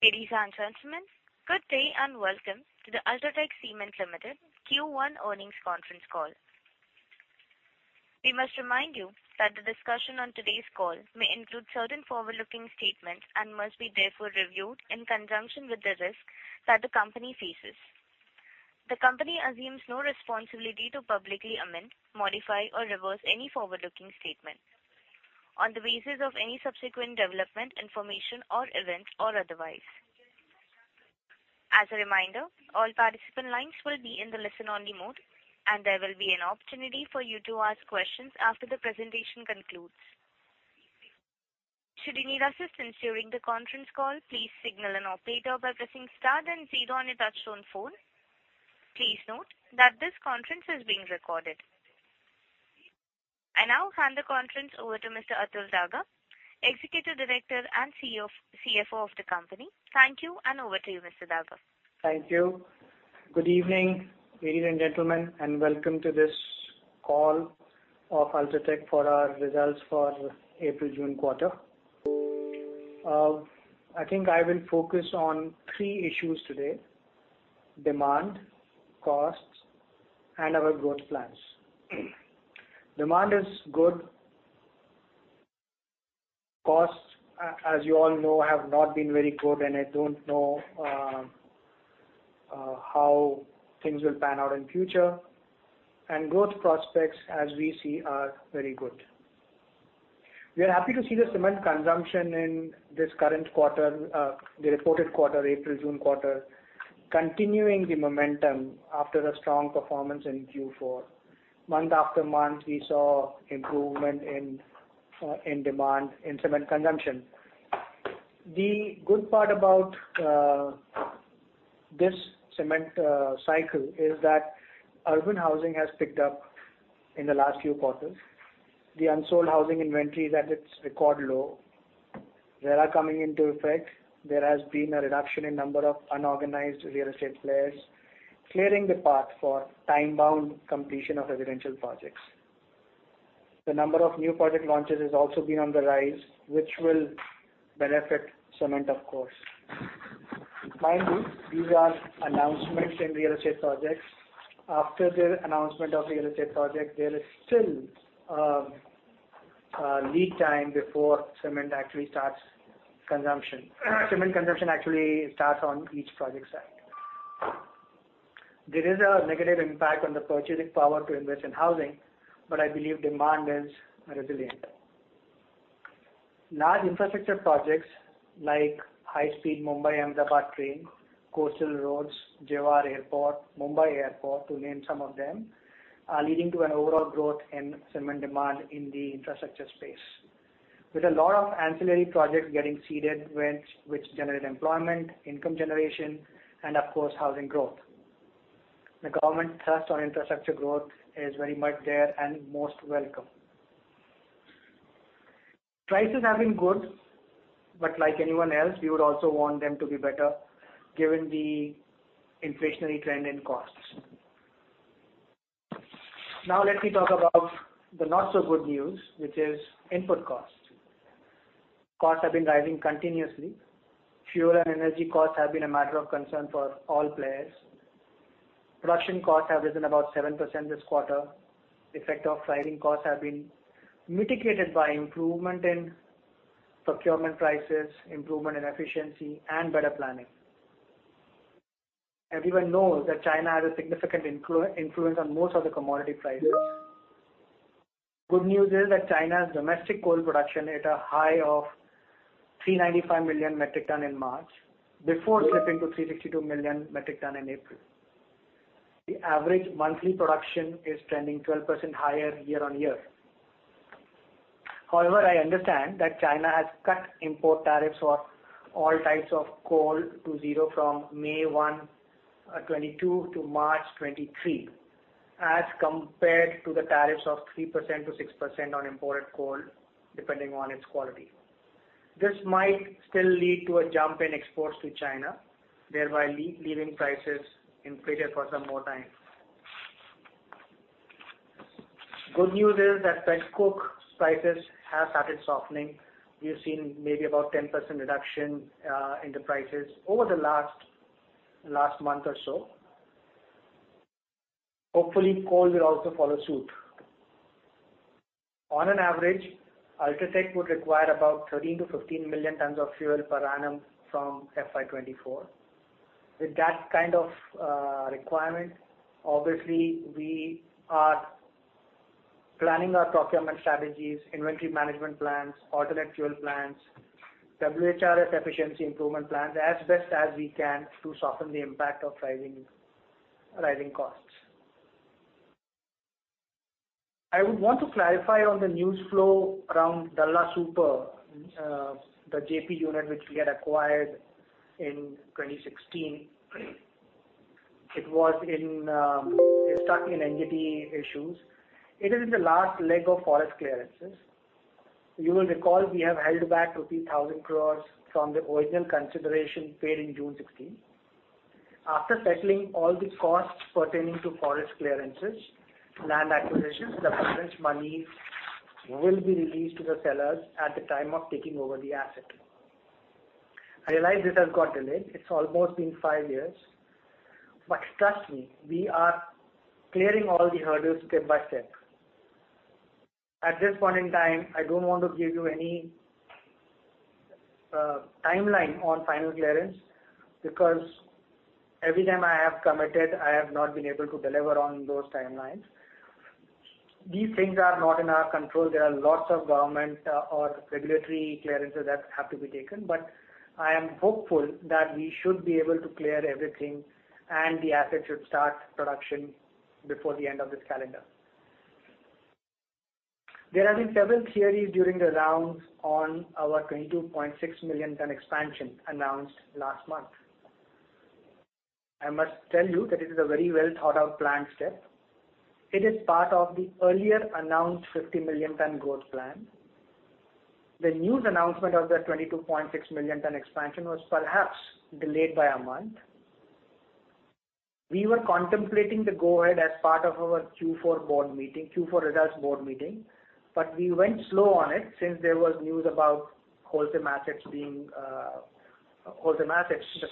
Ladies and gentlemen, good day, and welcome to the UltraTech Cement Limited Q1 earnings conference call. We must remind you that the discussion on today's call may include certain forward-looking statements and must be therefore reviewed in conjunction with the risk that the company faces. The company assumes no responsibility to publicly amend, modify or reverse any forward-looking statement on the basis of any subsequent development, information or events or otherwise. As a reminder, all participant lines will be in the listen-only mode, and there will be an opportunity for you to ask questions after the presentation concludes. Should you need assistance during the conference call, please signal an operator by pressing star then zero on your touchtone phone. Please note that this conference is being recorded. I now hand the conference over to Mr. Atul Daga, Executive Director and CFO of the company. Thank you, and over to you, Mr. Daga. Thank you. Good evening, ladies and gentlemen, and welcome to this call of UltraTech for our results for April-June quarter. I think I will focus on three issues today, demand, costs, and our growth plans. Demand is good. Costs, as you all know, have not been very good, and I don't know how things will pan out in future. Growth prospects, as we see, are very good. We are happy to see the cement consumption in this current quarter, the reported quarter, April-June quarter, continuing the momentum after a strong performance in Q4. Month after month, we saw improvement in demand, in cement consumption. The good part about this cement cycle is that urban housing has picked up in the last few quarters. The unsold housing inventory is at its record low. RERA coming into effect, there has been a reduction in number of unorganized real estate players, clearing the path for time-bound completion of residential projects. The number of new project launches has also been on the rise, which will benefit cement, of course. Mind you, these are announcements in real estate projects. After the announcement of real estate project, there is still lead time before cement actually starts consumption. Cement consumption actually starts on each project site. There is a negative impact on the purchasing power to invest in housing, but I believe demand is resilient. Large infrastructure projects like high-speed Mumbai-Ahmedabad train, coastal roads, Jewar Airport, Mumbai Airport, to name some of them, are leading to an overall growth in cement demand in the infrastructure space. With a lot of ancillary projects getting seeded which generate employment, income generation, and of course, housing growth. The government thrust on infrastructure growth is very much there and most welcome. Prices have been good, but like anyone else, we would also want them to be better, given the inflationary trend in costs. Now let me talk about the not-so-good news, which is input costs. Costs have been rising continuously. Fuel and energy costs have been a matter of concern for all players. Production costs have risen about 7% this quarter. Effect of rising costs have been mitigated by improvement in procurement prices, improvement in efficiency, and better planning. Everyone knows that China has a significant influence on most of the commodity prices. Good news is that China's domestic coal production hit a high of 395 million metric tons in March, before slipping to 362 million metric tons in April. The average monthly production is trending 12% higher year-on-year. However, I understand that China has cut import tariffs on all types of coal to zero from May 1, 2022 to March 2023, as compared to the tariffs of 3%-6% on imported coal, depending on its quality. This might still lead to a jump in exports to China, thereby leaving prices inflated for some more time. Good news is that coking coal prices have started softening. We have seen maybe about 10% reduction in the prices over the last month or so. Hopefully, coal will also follow suit. On an average, UltraTech would require about 13 million-15 million tons of fuel per annum from FY 2024. With that kind of requirement, obviously we are planning our procurement strategies, inventory management plans, alternate fuel plans, WHRS efficiency improvement plans as best as we can to soften the impact of rising costs. I would want to clarify on the news flow around Dalla Super, the JP unit which we had acquired in 2016. It's stuck in NGT issues. It is in the last leg of forest clearances. You will recall we have held back 1,000 crores from the original consideration paid in June 2016. After settling all the costs pertaining to forest clearances, land acquisitions, the balance money will be released to the sellers at the time of taking over the asset. I realize this has got delayed. It's almost been five years, but trust me, we are clearing all the hurdles step by step. At this point in time, I don't want to give you any timeline on final clearance because every time I have committed, I have not been able to deliver on those timelines. These things are not in our control. There are lots of government or regulatory clearances that have to be taken, but I am hopeful that we should be able to clear everything and the asset should start production before the end of this calendar. There have been several theories during the rounds on our 22.6 million-ton expansion announced last month. I must tell you that it is a very well-thought-out planned step. It is part of the earlier announced 50 million-ton growth plan. The news announcement of the 22.6 million-ton expansion was perhaps delayed by a month. We were contemplating the go-ahead as part of our Q4 board meeting, Q4 results board meeting, but we went slow on it since there was news about Holcim assets, the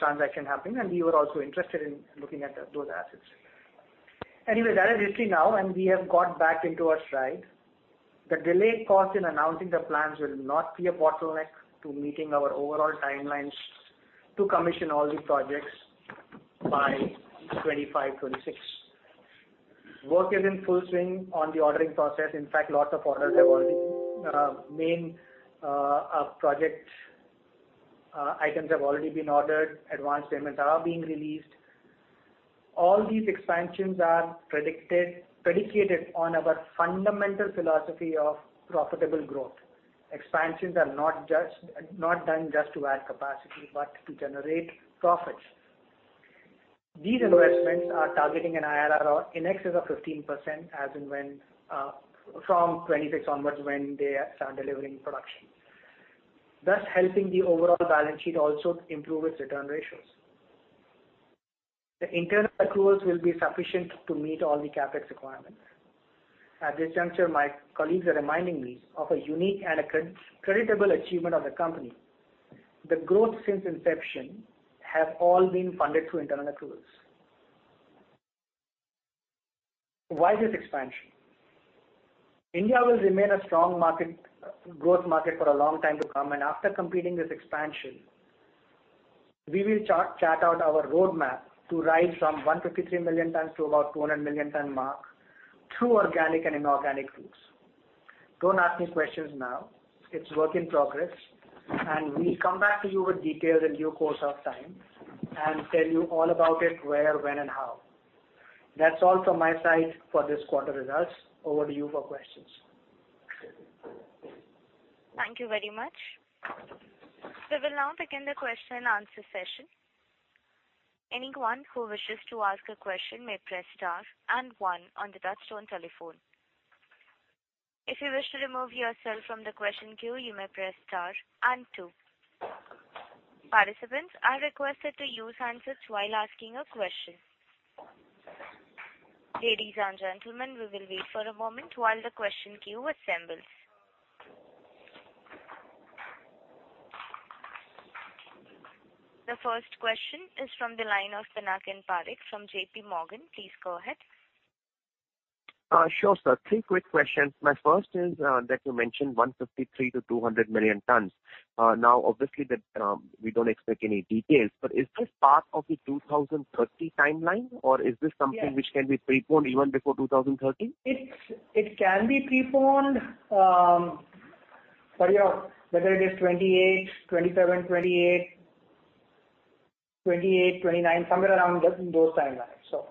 transaction happening, and we were also interested in looking at those assets. Anyway, that is history now and we have got back into our stride. The delay caused in announcing the plans will not be a bottleneck to meeting our overall timelines to commission all the projects by 2025, 2026. Work is in full swing on the ordering process. In fact, lots of orders have already. Main project items have already been ordered. Advance payments are being released. All these expansions are predicated on our fundamental philosophy of profitable growth. Expansions are not done just to add capacity, but to generate profits. These investments are targeting an IRR of in excess of 15% as and when, from 2026 onwards, when they start delivering production, thus helping the overall balance sheet also improve its return ratios. The internal accruals will be sufficient to meet all the CapEx requirements. At this juncture, my colleagues are reminding me of a unique and credible achievement of the company. The growth since inception have all been funded through internal accruals. Why this expansion? India will remain a strong market, growth market for a long time to come. After completing this expansion, we will chart out our roadmap to rise from 153 million tons to about 200 million ton mark through organic and inorganic routes. Don't ask me questions now. It's work in progress, and we'll come back to you with details in due course of time and tell you all about it where, when, and how. That's all from my side for this quarter results. Over to you for questions. Thank you very much. We will now begin the question and answer session. Anyone who wishes to ask a question may press star and one on the touchtone telephone. If you wish to remove yourself from the question queue, you may press star and two. Participants, I request that you use handset while asking a question. Ladies and gentlemen, we will wait for a moment while the question queue assembles. The first question is from the line of Pinakin Parekh from JPMorgan. Please go ahead. Sure, sir. Three quick questions. My first is that you mentioned 153 million-200 million tons. Now, obviously that, we don't expect any details, but is this part of the 2030 timeline, or is this something? Yes. Which can be preponed even before 2030? It can be preponed for your whether it is 2028, 2027, 2028, 2029, somewhere around those timelines.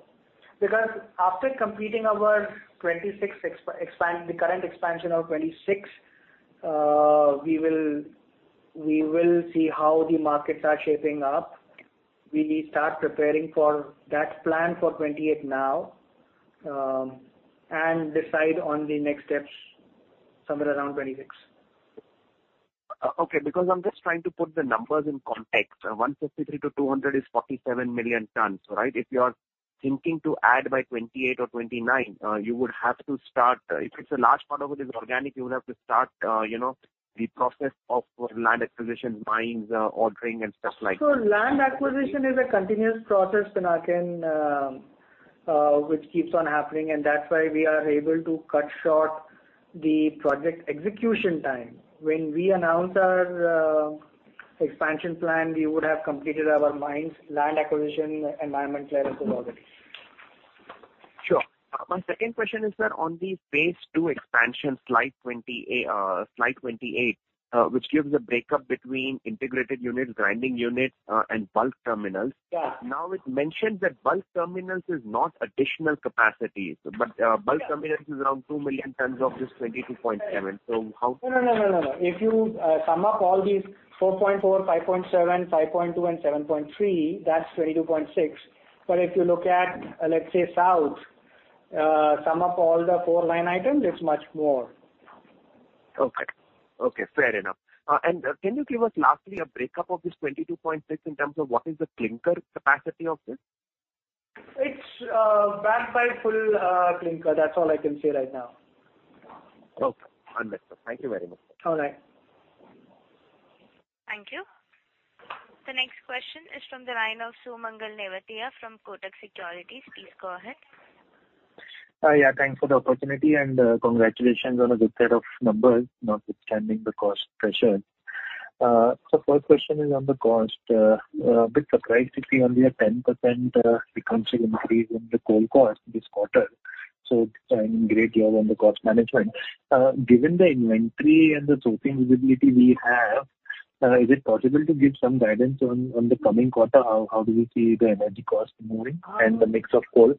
Because after completing our 2026, the current expansion of 2026, we will see how the markets are shaping up. We start preparing for that plan for 2028 now, and decide on the next steps somewhere around 2026. Okay. Because I'm just trying to put the numbers in context. 153-200 is 47 million tons, right? If you are thinking to add by 2028 or 2029, you would have to start, you know, the process of land acquisition, mines, ordering and stuff like that. Land acquisition is a continuous process, Pinakin, which keeps on happening, and that's why we are able to cut short the project execution time. When we announce our expansion plan, we would have completed our mines, land acquisition, environment clearances already. Sure. My second question is that on the phase two expansion, slide 20, slide 28, which gives a break-up between integrated units, grinding units, and bulk terminals. Yeah. Now it mentions that bulk terminals is not additional capacity, but. Yeah. Bulk terminals is around 2 million tons of this 22.7. Right. How- No. If you sum up all these 4.4, 5.7, 5.2 and 7.3, that's 22.6. If you look at, let's say South, sum up all the four line items, it's much more. Okay. Okay, fair enough. Can you give us lastly a break up of this 22.6 in terms of what is the clinker capacity of this? It's backed by full clinker. That's all I can say right now. Okay. Understood. Thank you very much. All right. Thank you. The next question is from the line of Sumangal Nevatia from Kotak Securities. Please go ahead. Yeah, thanks for the opportunity, and congratulations on a good set of numbers, notwithstanding the cost pressures. First question is on the cost. A bit surprised to see only a 10% decrease in the coal cost this quarter. Doing great job on the cost management. Given the inventory and the sourcing visibility we have, is it possible to give some guidance on the coming quarter? How do you see the energy cost moving? Um- The mix of coal?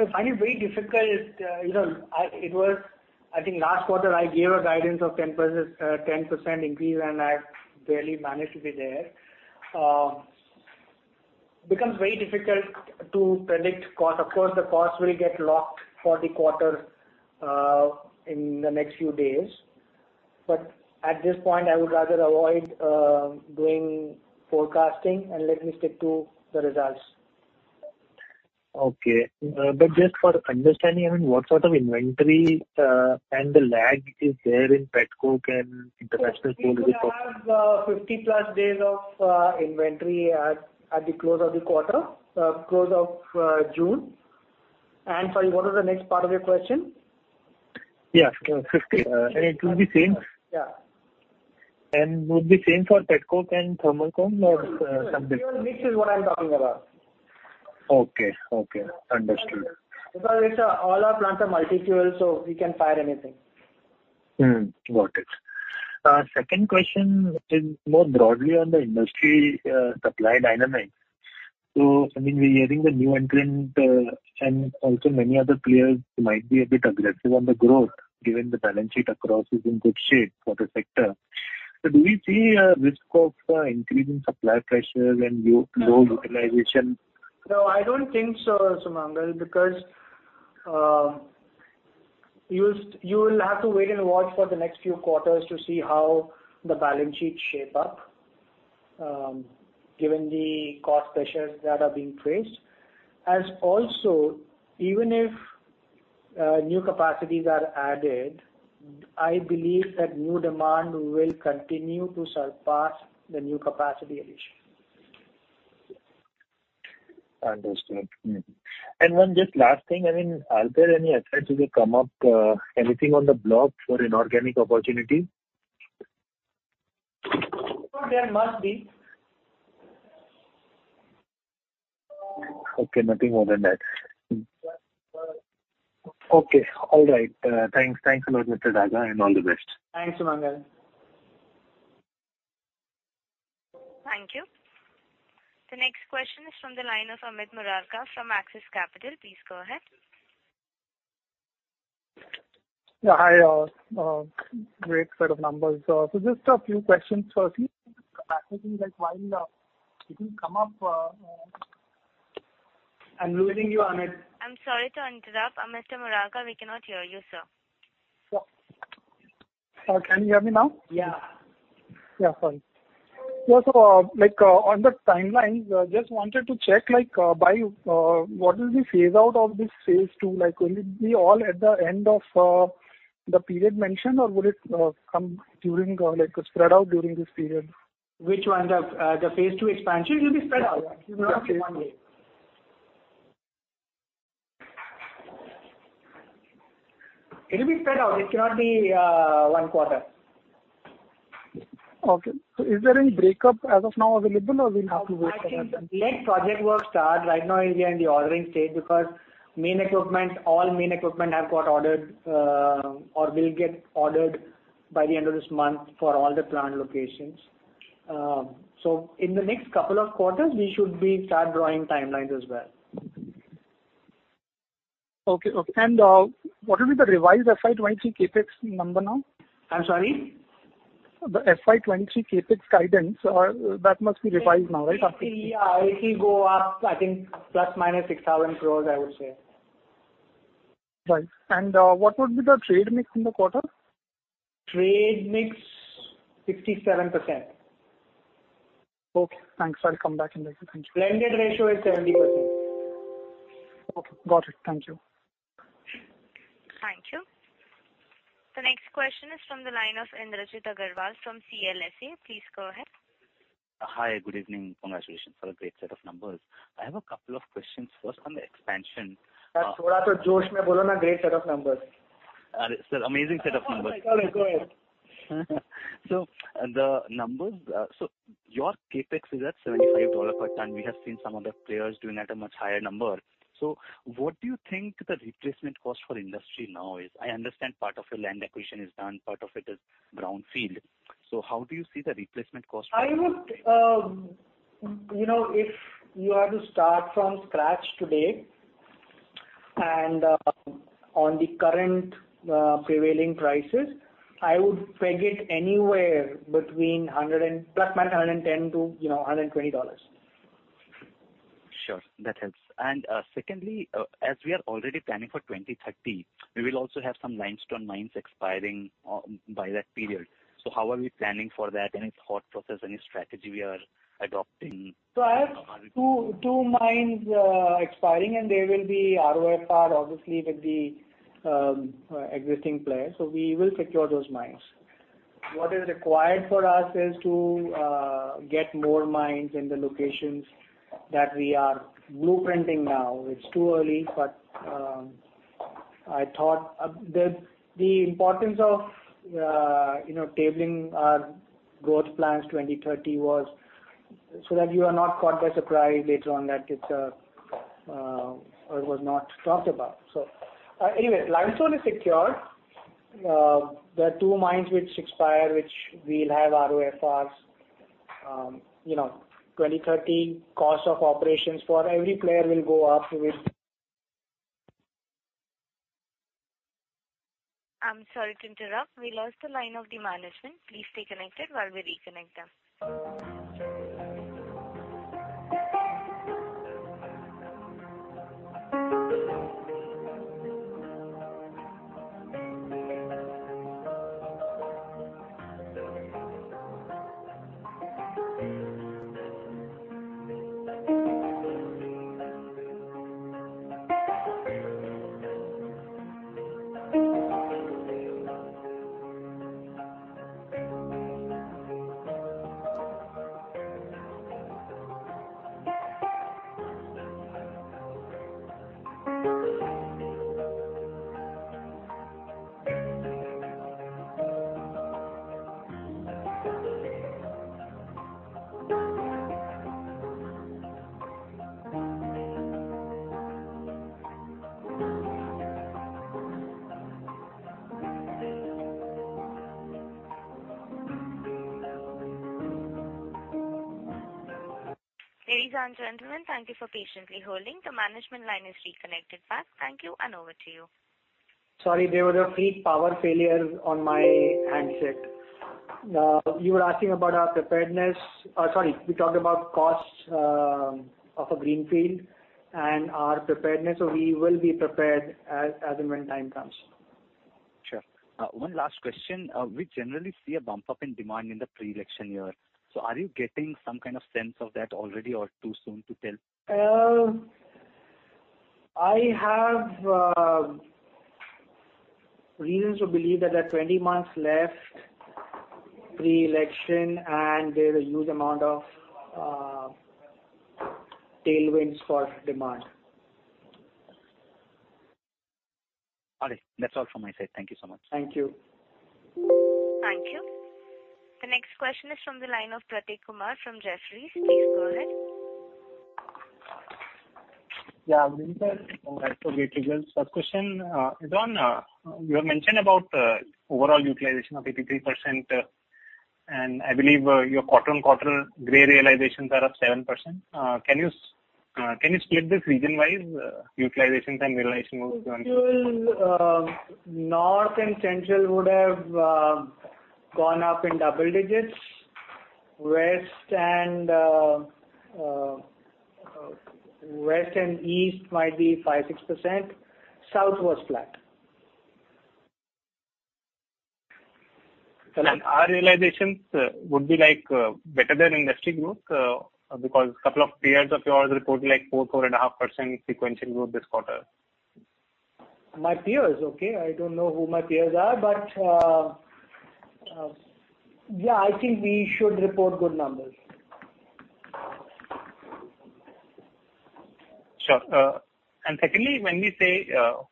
I find it very difficult. You know, I think last quarter I gave a guidance of 10% increase, and I barely managed to be there. It becomes very difficult to predict cost. Of course, the cost will get locked for the quarter, in the next few days. At this point, I would rather avoid doing forecasting, and let me stick to the results. Okay. Just for understanding, I mean, what sort of inventory and the lag is there in pet coke and international coal in the port? We have 50+ days of inventory at the close of the quarter, close of June. Sorry, what was the next part of your question? Yeah. 50, and it will be same? Yeah. Would be same for pet coke and thermal coal or some different? Fuel mix is what I'm talking about. Okay. Understood. Because it's all our plants are multi-fuel, so we can fire anything. Mm-hmm. Got it. Second question is more broadly on the industry, supply dynamics. I mean, we're hearing the new entrant, and also many other players might be a bit aggressive on the growth given the balance sheet across is in good shape for the sector. Do you see a risk of increasing supply pressures and low utilization? No, I don't think so, Sumangal, because you'll have to wait and watch for the next few quarters to see how the balance sheets shape up, given the cost pressures that are being faced. Also, even if new capacities are added, I believe that new demand will continue to surpass the new capacity addition. Understood. One just last thing. I mean, are there any acquisitions will come up, anything on the block for inorganic opportunity? There must be. Okay. Nothing more than that. Okay. All right. Thanks. Thanks a lot, Mr. Daga, and all the best. Thanks, Sumangal. Thank you. The next question is from the line of Amit Murarka from Axis Capital. Please go ahead. Yeah, hi all. Great set of numbers. Just a few questions. Firstly, the capacity that went up, it will come up. I'm losing you, Amit. I'm sorry to interrupt. Mr. Murarka, we cannot hear you, sir. Can you hear me now? Yeah. Yeah. Sorry. So, like, on the timelines, just wanted to check, like, by what will be phase out of this phase two? Like, will it be all at the end of the period mentioned, or will it come during or, like, spread out during this period? Which one? The phase two expansion? It will be spread out. It will not be one go. It will be spread out. It cannot be one quarter. Okay. Is there any break up as of now available, or we'll have to wait for that? I think the project work starts late. Right now is in the ordering stage because all main equipment have got ordered or will get ordered by the end of this month for all the plant locations. In the next couple of quarters, we should start drawing timelines as well. Okay, what will be the revised FY 2023 CapEx number now? I'm sorry? The FY 2023 CapEx guidance that must be revised now, right? Yeah, it will go up, I think, ± 6,000 crore, I would say. Right. What would be the trade mix in the quarter? Trade mix, 67%. Okay. Thanks. I'll come back to this. Thank you. Blended ratio is 70%. Okay. Got it. Thank you. Thank you. The next question is from the line of Indrajit Agarwal from CLSA. Please go ahead. Hi. Good evening. Congratulations for a great set of numbers. I have a couple of questions. First, on the expansion. Great set of numbers. Sir, amazing set of numbers. All right. Go ahead. The numbers, your CapEx is at $75 per ton. We have seen some other players doing at a much higher number. What do you think the replacement cost for industry now is? I understand part of your land acquisition is done, part of it is brownfield. How do you see the replacement cost for I would, you know, if you are to start from scratch today and on the current prevailing prices, I would peg it anywhere between $100 and ± $110-$120. Sure, that helps. Secondly, as we are already planning for 2030, we will also have some limestone mines expiring by that period. How are we planning for that? Any thought process, any strategy we are adopting? I have two mines expiring, and they will be ROFR obviously with the existing players. We will secure those mines. What is required for us is to get more mines in the locations that we are blueprinting now. It's too early, but I thought the importance of you know tabling our growth plans 2030 was so that you are not caught by surprise later on that it's or was not talked about. Anyway, limestone is secured. There are two mines which expire, which we'll have ROFRs. You know, 2030 cost of operations for every player will go up with- I'm sorry to interrupt. We lost the line of the management. Please stay connected while we reconnect them. Ladies and gentlemen, thank you for patiently holding. The management line is reconnected back. Thank you, and over to you. Sorry, there was a brief power failure on my handset. You were asking about our preparedness. Sorry. We talked about costs of a greenfield and our preparedness. We will be prepared as and when time comes. Sure. One last question. We generally see a bump up in demand in the pre-election year. Are you getting some kind of sense of that already or too soon to tell? I have reasons to believe that there are 20 months left pre-election, and there's a huge amount of tailwinds for demand. All right. That's all from my side. Thank you so much. Thank you. Thank you. The next question is from the line of Prateek Kumar from Jefferies. Please go ahead. Yeah. Good morning, sir. First question is on you have mentioned about overall utilization of 83%. I believe your quarter-on-quarter grey realizations are up 7%. Can you split this region-wise utilizations and realization of? If you will, north and central would have gone up in double digits. West and east might be 5%-6%. South was flat. Our realizations would be like better than industry growth because a couple of peers of yours reported like 4.5% sequential growth this quarter. My peers? Okay. I don't know who my peers are, but, yeah, I think we should report good numbers. Sure. Secondly, when we say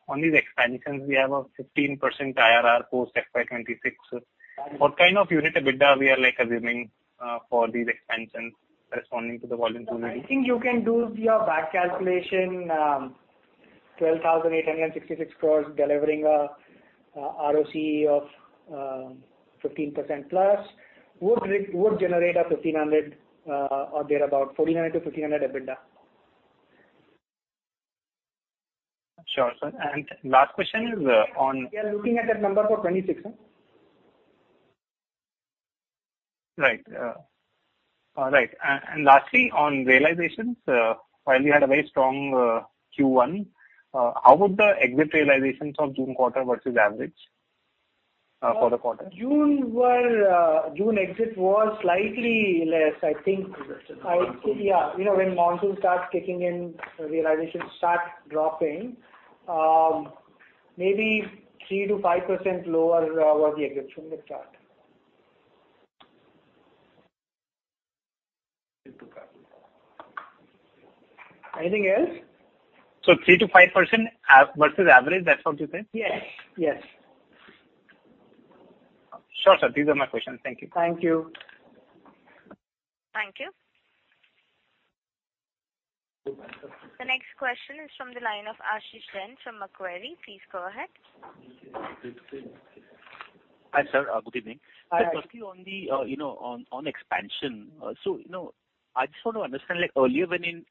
on these expansions we have a 15% IRR post FY 2026, what kind of unit EBITDA we are like assuming for these expansions corresponding to the volume? I think you can do your back calculation, 12,866 crores delivering a ROCE of 15%+ would generate a 1,500, or thereabout 1,400-1,500 EBITDA. Sure, sir. Last question is on. We are looking at that number for 2026. Right. All right. Lastly, on realizations, while you had a very strong Q1, how would the exit realizations of June quarter versus average for the quarter? June exit was slightly less, I think. Yeah. You know, when monsoon starts kicking in, realizations start dropping. Maybe 3%-5% lower was the exit from the chart. Anything else? 3%-5% versus average, that's what you said? Yes. Yes. Sure, sir. These are my questions. Thank you. Thank you. Thank you. The next question is from the line of Ashish Jain from Macquarie. Please go ahead. Hi, sir. Good evening. Hi. Sir, firstly on the expansion. You know, I just want to understand, like earlier when in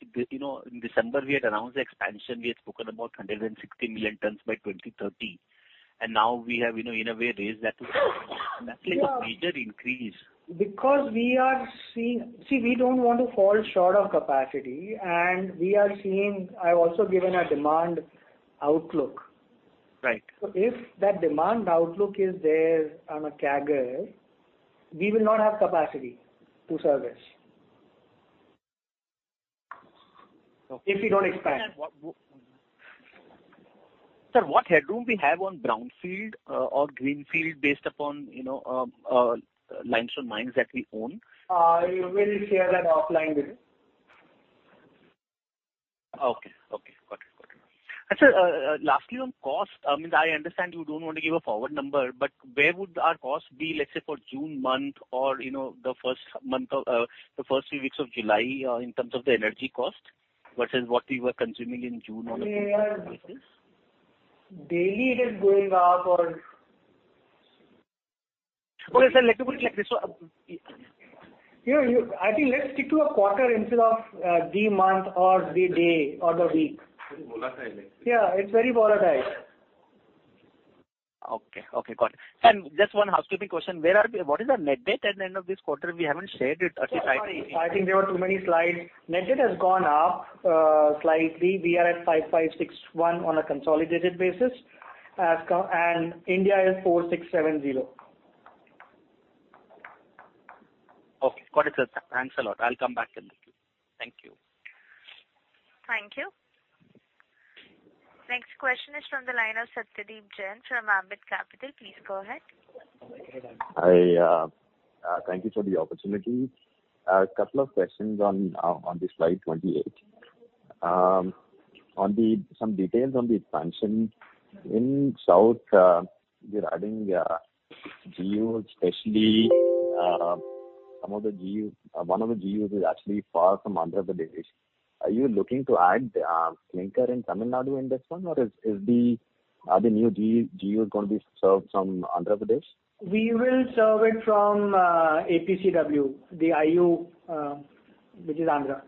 December we had announced the expansion, we had spoken about 160 million tons by 2030. Now we have, you know, in a way raised that that's like a major increase. See, we don't want to fall short of capacity, and we are seeing. I've also given a demand outlook. Right. If that demand outlook is there on a CAGR, we will not have capacity to service. Okay. If we don't expand. Sir, what headroom we have on brownfield, or greenfield based upon, you know, limestone mines that we own? We will share that offline with you. Okay. Got it. Sir, lastly on cost, I mean, I understand you don't want to give a forward number, but where would our cost be, let's say, for June month or you know, the first month of, the first three weeks of July, in terms of the energy cost versus what we were consuming in June or? Daily it is going up. Okay, sir. Let me put it like this. You know, I think let's stick to a quarter instead of the month or the day or the week. Very volatile. Yeah, it's very volatile. Okay. Got it. Just one housekeeping question. What is our net debt at the end of this quarter? We haven't shared it at ICICI. Sorry. I think there were too many slides. Net debt has gone up, slightly. We are at 5,561 on a consolidated basis. India is 4,670. Okay. Got it, sir. Thanks a lot. I'll come back then. Thank you. Thank you. Next question is from the line of Satyadeep Jain from Ambit Capital. Please go ahead. I thank you for the opportunity. A couple of questions on the slide 28. Some details on the expansion. In south, you're adding GUs, especially some of the GUs, one of the GUs is actually far from Andhra Pradesh. Are you looking to add clinker in Tamil Nadu in this one, or are the new GU going to be served from Andhra Pradesh? We will serve it from APCW, the IU, which is Andhra.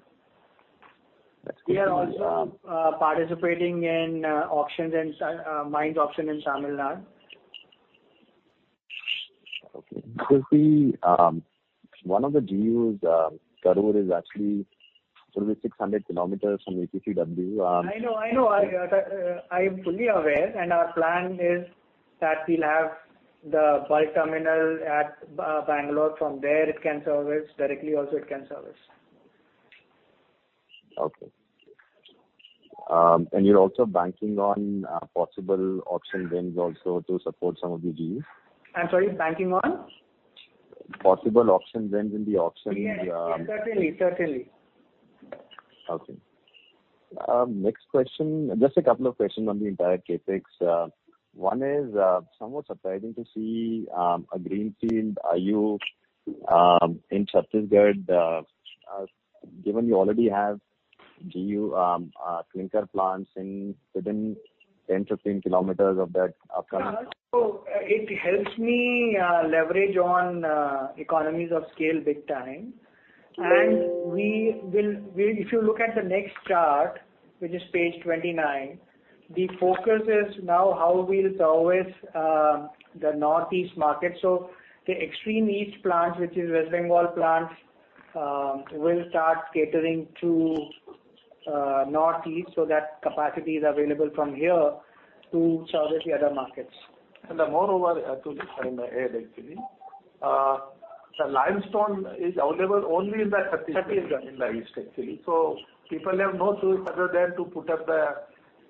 That's clear. We are also participating in auctions and mine auction in Tamil Nadu. Okay. Because the one of the GUs, Karur is actually sort of 600 km from APCW. I know. I'm fully aware, our plan is that we'll have the bulk terminal at Bangalore. From there, it can service. Directly also it can service. Okay. You're also banking on possible auction wins also to support some of the GUs? I'm sorry, banking on? Possible auction wins in the auction. Yes. Certainly. Okay. Next question. Just a couple of questions on the entire CapEx. One is somewhat surprising to see a greenfield IU in Chhattisgarh, given you already have GU clinker plants within 10 km-15 km of that upcoming. It helps me leverage on economies of scale big time. If you look at the next chart, which is page 29, the focus is now how we'll service the northeast market. The extreme east plant, which is Raisen plant, will start catering to northeast. That capacity is available from here to service the other markets. Moreover, to this, I may add actually, the limestone is available only in the Chhattisgarh- Chhattisgarh. In the east actually. People have no choice other than to put up the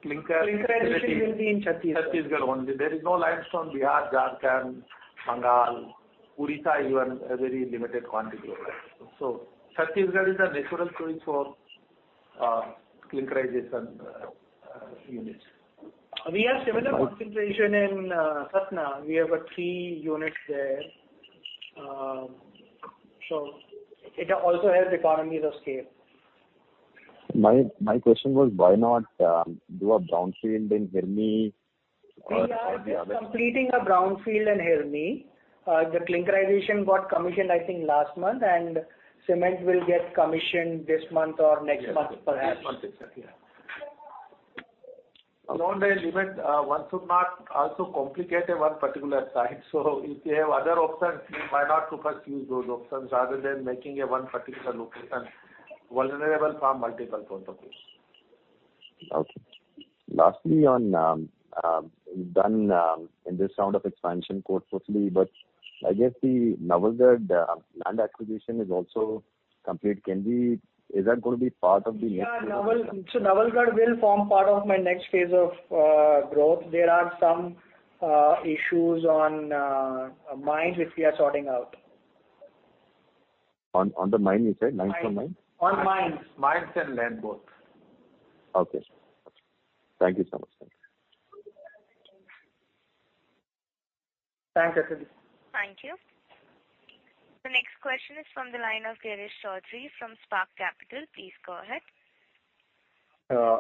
clinker. Clinker addition will be in Chhattisgarh. Chhattisgarh only. There is no limestone, Bihar, Jharkhand, Bengal. Orissa even a very limited quantity only. Chhattisgarh is a natural choice for clinkerization units. We have similar concentration in Satna. We have three units there. It also helps economies of scale. My question was, why not do a brownfield in Hirmi or any other? We are just completing a brownfield in Hirmi. The clinkerization got commissioned, I think, last month, and cement will get commissioned this month or next month perhaps. This month itself, yeah. One should not also complicate one particular site. If you have other options, you might want to first use those options rather than making one particular location vulnerable from multiple point of views. Okay. Lastly on debt in this round of expansion, of course, mostly, but I guess the Nawalgarh land acquisition is also complete. Is that going to be part of the next Yeah. Nawalgarh will form part of my next phase of growth. There are some issues on mines which we are sorting out. On the mine you said? Limestone mine? On mines. Mines and land both. Okay. Thank you so much. Thanks, Satyadeep. Thank you. The next question is from the line of Girish Choudhary from Spark Capital. Please go ahead.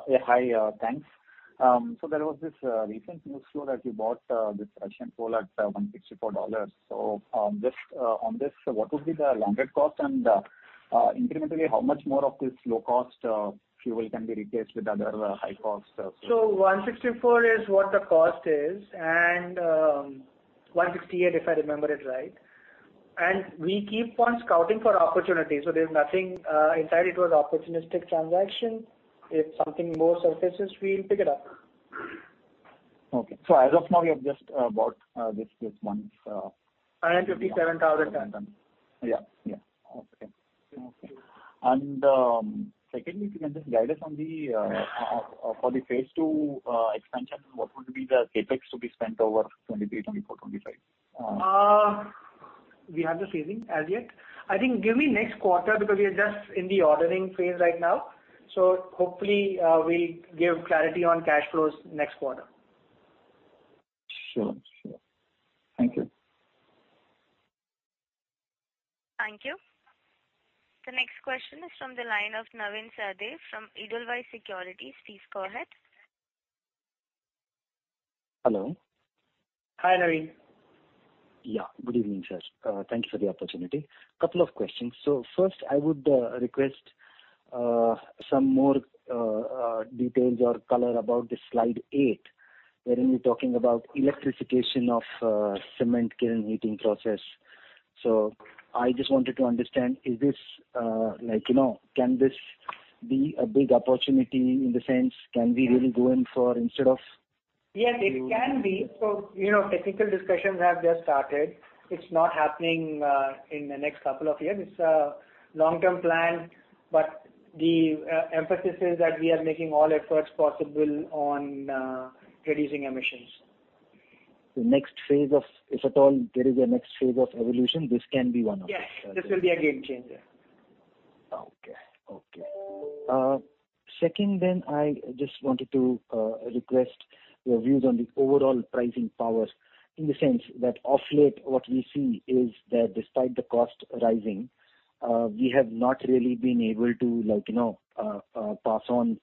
Yeah. Hi, thanks. There was this recent news flow that you bought this Russian coal at $164. Just on this, what would be the landed cost? Incrementally, how much more of this low cost fuel can be replaced with other high cost? 164 is what the cost is, and 168, if I remember it right. We keep on scouting for opportunities. There's nothing in sight. It was opportunistic transaction. If something more surfaces, we'll pick it up. Okay. As of now, you have just bought this month. 557,000 tons. Yeah. Okay. Secondly, if you can just guide us on the phase two expansion, what would be the CapEx to be spent over 2023, 2024, 2025? We have the phasing as yet. I think give me next quarter because we are just in the ordering phase right now. Hopefully, we'll give clarity on cash flows next quarter. Sure. Sure. Thank you. Thank you. The next question is from the line of Navin Sathe from Edelweiss Securities. Please go ahead. Hello. Hi, Navin. Good evening, sir. Thank you for the opportunity. Couple of questions. First, I would request some more details or color about slide 8, wherein you're talking about electrification of cement kiln heating process. I just wanted to understand, is this like, you know, can this be a big opportunity in the sense, can we really go in for instead of Yes, it can be. You know, technical discussions have just started. It's not happening in the next couple of years. It's a long-term plan, but the emphasis is that we are making all efforts possible on reducing emissions. If at all there is a next phase of evolution, this can be one of them. Yes. This will be a game changer. Okay. I just wanted to request your views on the overall pricing powers, in the sense that of late what we see is that despite the cost rising, we have not really been able to like, you know, pass on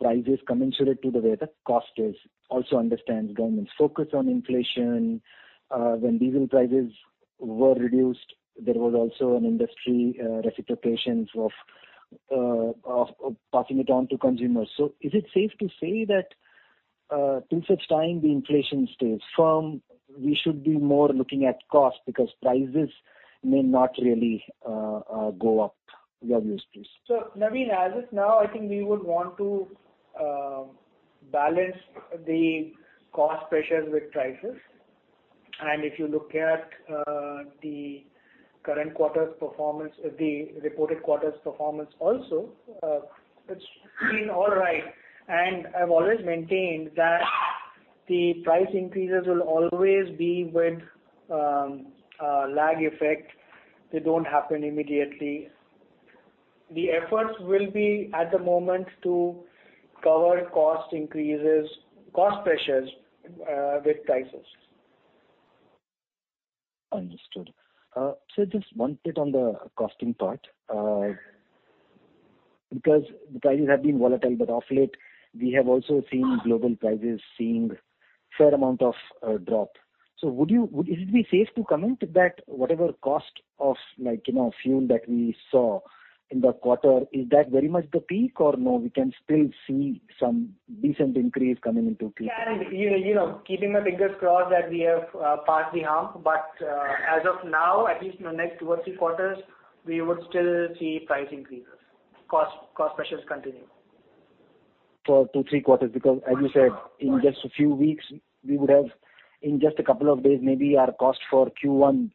prices commensurate to the way the cost is. Also understand government's focus on inflation. When diesel prices were reduced, there was also an industry reciprocation of passing it on to consumers. Is it safe to say that till such time the inflation stays firm, we should be more looking at cost because prices may not really go up? Your views, please. Navin, as of now, I think we would want to balance the cost pressures with prices. If you look at the current quarter's performance, the reported quarter's performance also, it's been all right. I've always maintained that the price increases will always be with a lag effect. They don't happen immediately. The efforts will be at the moment to cover cost increases, cost pressures with prices. Understood. Just one bit on the costing part. Because the prices have been volatile, but of late we have also seen global prices seeing fair amount of drop. Is it be safe to comment that whatever cost of like, you know, fuel that we saw in the quarter, is that very much the peak or no, we can still see some decent increase coming into Q-? You know, keeping our fingers crossed that we have passed the hump. But as of now, at least in the next two or three quarters, we would still see price increases, cost pressures continue. For two, three quarters, because as you said, in just a few weeks, we would have, in just a couple of days, maybe our cost for Q1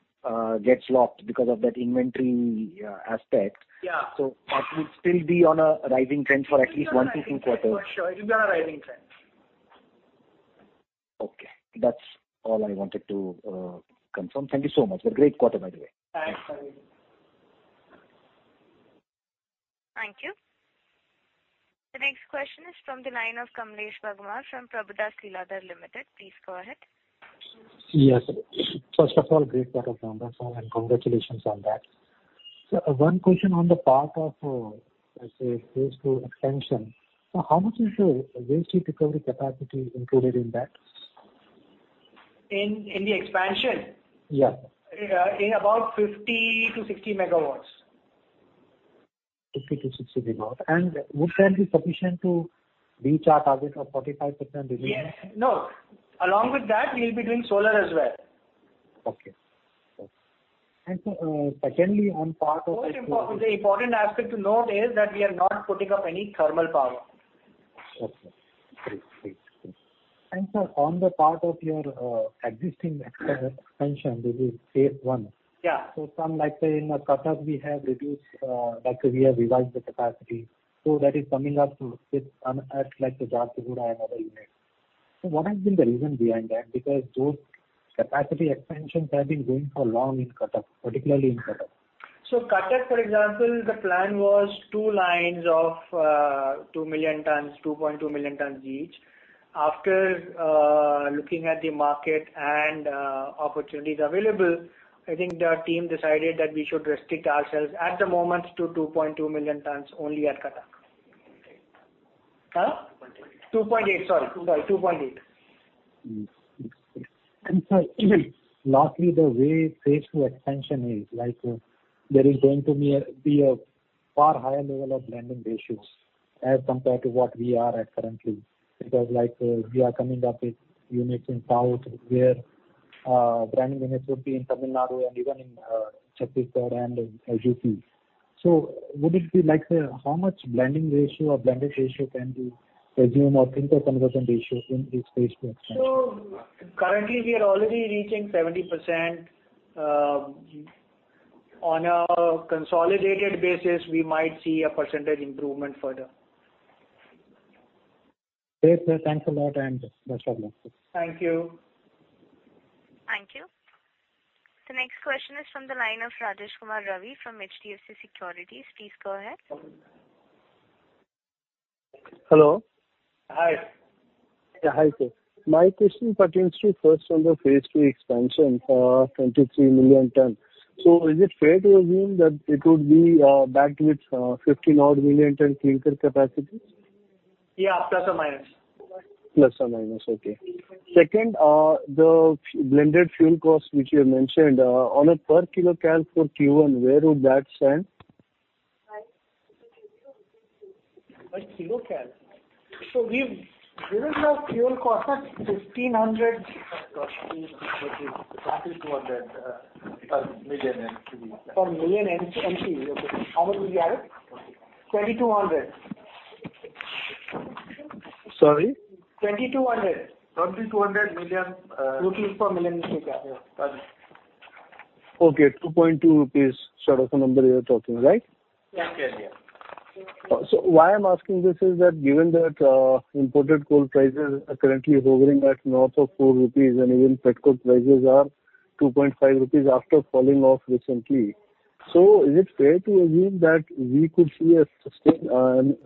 gets locked because of that inventory aspect. Yeah. That would still be on a rising trend for at least 1-2 quarters. For sure. It will be on a rising trend. Okay. That's all I wanted to confirm. Thank you so much. A great quarter, by the way. Thanks, Navin. Thank you. The next question is from the line of Kamlesh Bagmar from Prabhudas Lilladher Pvt. Ltd. Please go ahead. Yes. First of all, great quarter numbers, and congratulations on that. One question on the part of, let's say, phase two expansion. How much is the waste heat recovery capacity included in that? In the expansion? Yeah. In about 50-60 MW. 50-60 MW. Would that be sufficient to reach our target of 45% reduction? Yes. No. Along with that, we'll be doing solar as well. Okay. Secondly, on part of- Most important, the important aspect to note is that we are not putting up any thermal power. Okay. Great. Sir, on the part of your existing expansion, this is phase one. Yeah. Some like, say, in Cuttack we have reduced, like we have revised the capacity. That is coming up with some at like the Jajpur and other units. What has been the reason behind that? Because those capacity expansions have been going for long in Cuttack, particularly in Cuttack. Cuttack, for example, the plan was two lines of 2 million tons, 2.2 million tons each. After looking at the market and opportunities available, I think the team decided that we should restrict ourselves at the moment to 2.2 million tons only at Cuttack. 2.8. Sorry, 2.8. Sir, lastly, the way phase two expansion is, like there is going to be a far higher level of blending ratios as compared to what we are at currently. Because like, we are coming up with units in south where blending units would be in Tamil Nadu and even in Chhattisgarh and JP. Would it be like how much blending ratio or blended ratio can we presume or clinker conversion ratio in this phase two expansion? Currently we are already reaching 70%. On a consolidated basis, we might see a percentage improvement further. Great, sir. Thanks a lot and best of luck. Thank you. Thank you. The next question is from the line of Rajesh Kumar Ravi from HDFC Securities. Please go ahead. Hello. Hi. Yeah, hi sir. My question pertains to first on the phase two expansion for 23 million tons. Is it fair to assume that it would be backed with 15 odd million tons clinker capacity? Yeah, plus or minus. Plus or minus. Okay. Second, the blended fuel cost which you mentioned, on a per kcal for Q1, where would that stand? By kcal. We've given the fuel cost at INR 1,500- Per million kcal. Per million kcal. Okay. How much is it? INR 2,200. Sorry? 2,200. INR 2,200 million. Rupee per million kcal. Yeah. Okay, INR 2.2 sort of a number you're talking, right? Yeah. Yeah. Yeah. Why I'm asking this is that given that, imported coal prices are currently hovering at north of 4 rupees and even pet coke prices are 2.5 rupees after falling off recently. Is it fair to assume that we could see a sustained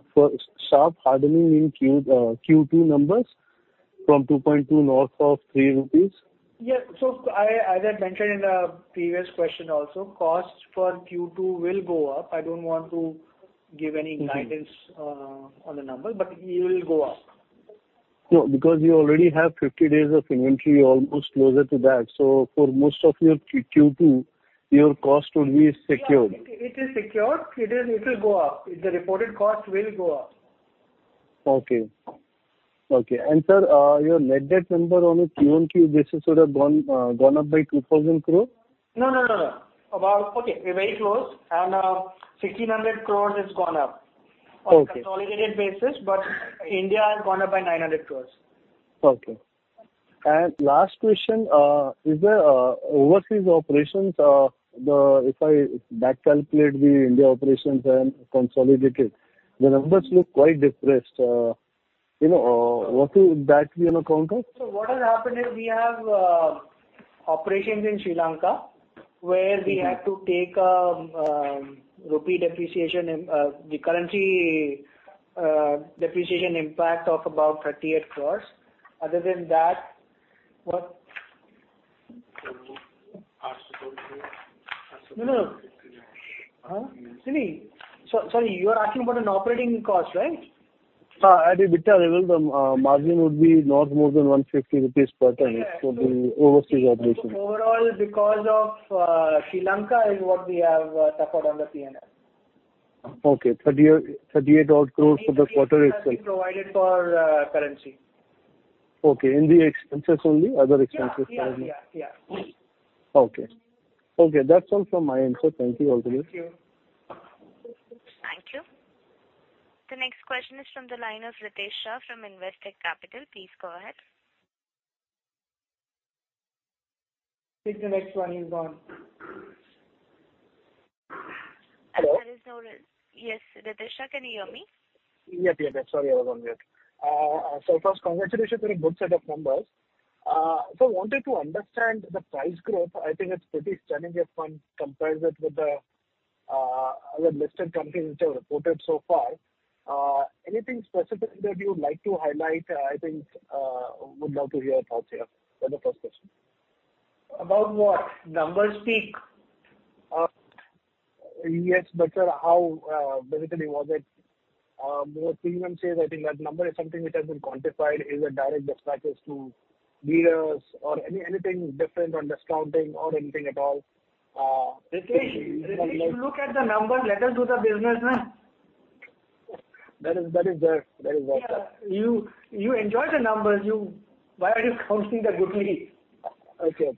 sharp hardening in Q2 numbers from 2.2 north of 3 rupees? Yeah. I, as I mentioned in the previous question also, costs for Q2 will go up. I don't want to give any guidance. Mm-hmm. On the number, but it will go up. No, because you already have 50 days of inventory almost closer to that. For most of your Q2, your cost would be secured. Yeah, it is secured. It will go up. The reported cost will go up. Okay. Sir, your net debt number on a Q on Q basis would have gone up by 2,000 crore? No. Okay, we're very close and 1,600 crores has gone up. Okay. On a consolidated basis, but India has gone up by 900 crore. Okay. Last question, is there overseas operations? If I back calculate the India operations and consolidate it, the numbers look quite depressed. You know, what will that be on account of? What has happened is we have operations in Sri Lanka where we had to take a rupee depreciation, the currency depreciation impact of about 38 crore. Other than that, what? No, no. Sorry. You are asking about an operating cost, right? At a EBITDA level, the margin would be not more than 150 rupees per ton. Correct. For the overseas operations. Overall, because of Sri Lanka is what we have suffered on the P&L. Okay. 38 crore for the quarter itself. INR 38 crores has been provided for currency. Okay. In the expenses only? Other expenses. Yeah. Okay, that's all from my end, sir. Thank you all to you. Thank you. Thank you. The next question is from the line of Ritesh Shah from Investec Capital. Please go ahead. Please, the next one is on. There is no. Hello? Yes. Ritesh Shah, can you hear me? Yes. Sorry, I was on mute. First, congratulations on a good set of numbers. Wanted to understand the price growth. I think it's pretty stunning if one compares it with the other listed companies which have reported so far. Anything specific that you'd like to highlight? I think would love to hear your thoughts here. That's the first question. About what? Numbers speak. Yes, sir, how basically was it were premium sales, I think that number is something which has been quantified, is it direct disparities to leaders or anything different on discounting or anything at all? Ritesh, look at the numbers. Let us do the business now. That is there. That is what? Yeah. You enjoy the numbers. Why are you counting the goodly? Okay.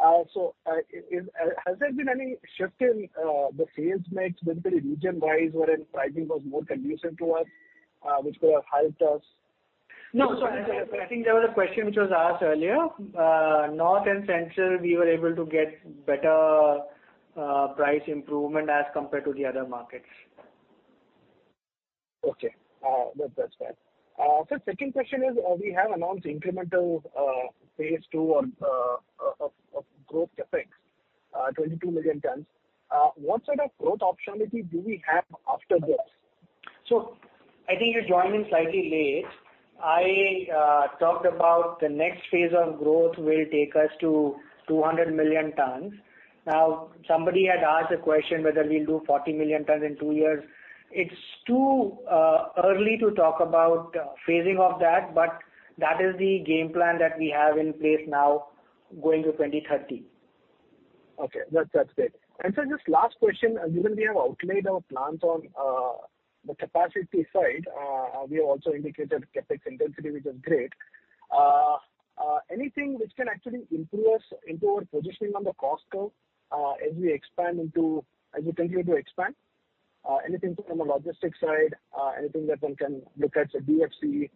Has there been any shift in the sales mix basically region-wise wherein pricing was more conducive to us, which could have helped us? No. I think there was a question which was asked earlier. North and central we were able to get better price improvement as compared to the other markets. Okay. That's fine. Second question is, we have announced incremental phase two of growth CapEx, 22 million tons. What sort of growth opportunity do we have after this? I think you're joining slightly late. I talked about the next phase of growth will take us to 200 million tons. Somebody had asked a question whether we'll do 40 million tons in two years. It's too early to talk about phasing of that, but that is the game plan that we have in place now going to 20-30. Okay, that's great. Just last question, given we have outlined our plans on the capacity side, we have also indicated CapEx intensity, which is great. Anything which can actually improve us into our positioning on the cost curve, as we continue to expand? Anything from a logistics side, anything that one can look at say DFC,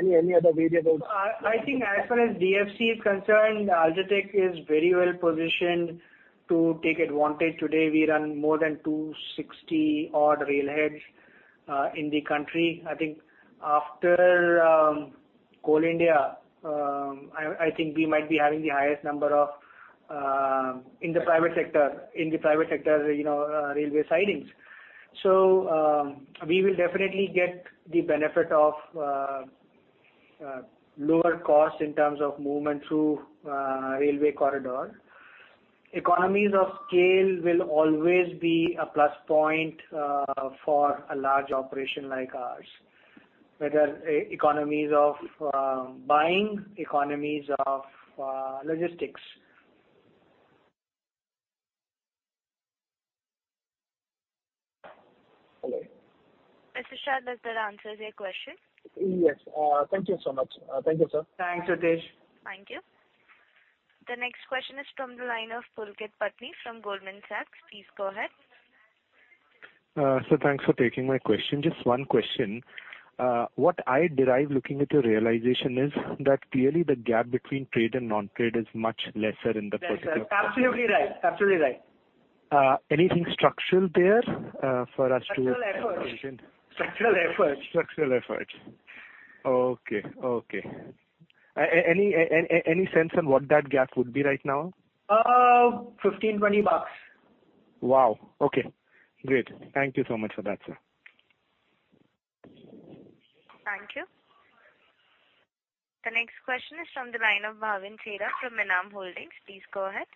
any other variables? I think as far as DFC is concerned, UltraTech is very well positioned to take advantage. Today, we run more than 260-odd railheads in the country. I think after Coal India, I think we might be having the highest number of in the private sector, you know, railway sidings. We will definitely get the benefit of lower costs in terms of movement through railway corridor. Economies of scale will always be a plus point for a large operation like ours, whether economies of buying, economies of logistics. Hello. Mr. Shah, does that answer your question? Yes. Thank you so much. Thank you, sir. Thanks, Ritesh. Thank you. The next question is from the line of Pulkit Patni from Goldman Sachs. Please go ahead. Sir, thanks for taking my question. Just one question. What I derive looking at your realization is that clearly the gap between trade and non-trade is much lesser in the particular. Yes, sir. Absolutely right. Anything structural there for us to? Structural efforts. Structural efforts. Okay. Any sense on what that gap would be right now? $15-$20. Wow. Okay. Great. Thank you so much for that, sir. Thank you. The next question is from the line of Bhavin Chheda from ENAM HOLDINGS. Please go ahead.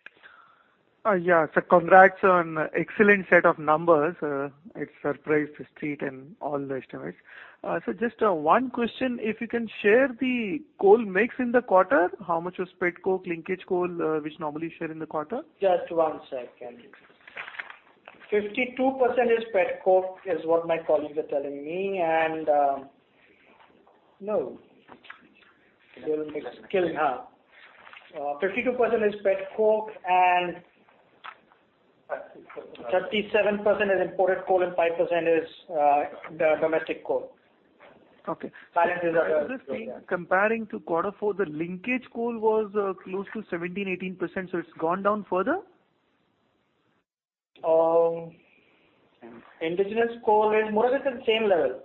Yeah. Congrats on excellent set of numbers. It surprised The Street and all the estimates. One question, if you can share the coal mix in the quarter, how much was pet coke, linkage coal, which normally you share in the quarter? Just one second. 52% is pet coke is what my colleagues are telling me. No. Still mix. Still, 52% is pet coke and Thirty-seven. 37% is imported coal and 5% is the domestic coal. Okay. Balance is, Comparing to quarter four, the linkage coal was close to 17-18%, so it's gone down further? Indigenous coal is more or less at the same level.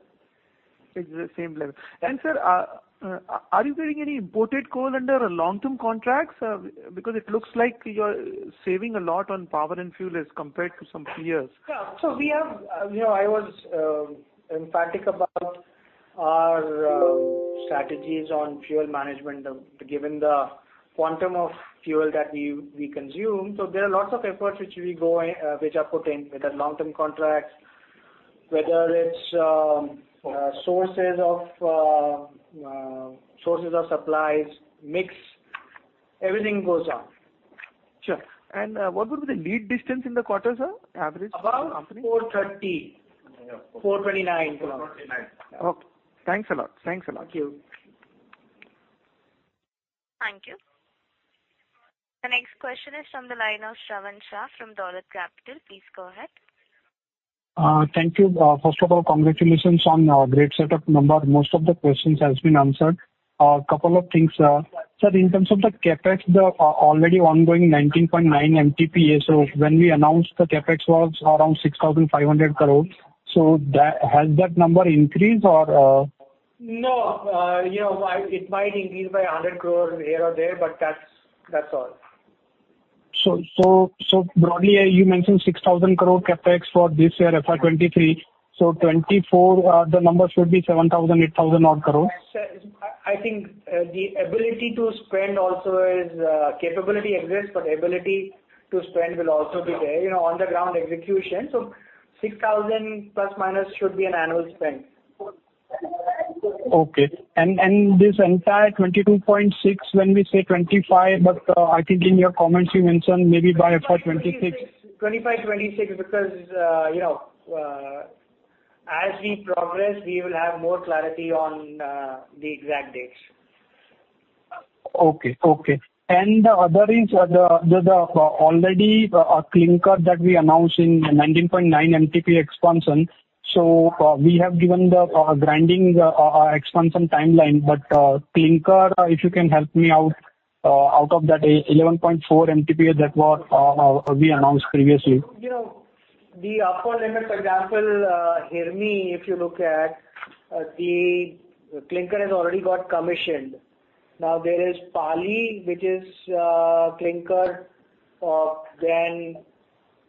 It's the same level. Sir, are you getting any imported coal under long-term contracts? Because it looks like you're saving a lot on power and fuel as compared to some peers. You know, I was emphatic about our strategies on fuel management, given the quantum of fuel that we consume. There are lots of efforts which are put in, whether long-term contracts, whether it's sources of supplies, mix, everything goes on. Sure. What would be the lead distance in the quarter, sir? Average About 430. INR 429. 429. Okay. Thanks a lot. Thanks a lot. Thank you. Thank you. The next question is from the line of Shravan Shah from Dolat Capital. Please go ahead. Thank you. First of all, congratulations on a great set of numbers. Most of the questions has been answered. Couple of things. Sir, in terms of the CapEx, the already ongoing 19.9 MTPA. So when we announced the CapEx was around 6,500 crore, so that, has that number increased or- No. You know, it might increase by 100 crore here or there, but that's all. Broadly, you mentioned 6,000 crore CapEx for this year, FY 2023. 2024, the number should be 7,000-8,000 odd crores? Yes, sir. I think the ability to spend also is capability exists, but ability to spend will also be there, you know, on the ground execution. 6,000 plus minus should be an annual spend. Okay, this entire 22.6, when we say 2025, but I think in your comments you mentioned maybe by FY 2026. 2025, 2026 because you know as we progress we will have more clarity on the exact dates. Okay. The other is, the already clinker that we announced in 19.9 MTPA expansion. We have given the grinding expansion timeline, but clinker, if you can help me out of that 11.4 MTPA that was we announced previously. You know, for example, Hirmi, if you look at the clinker has already got commissioned. Now, there is Pali, which is clinker in